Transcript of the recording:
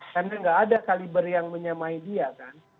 karena enggak ada kaliber yang menyamai dia kan